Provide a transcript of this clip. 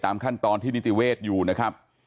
ขั้นตอนที่นิติเวศอยู่นะครับ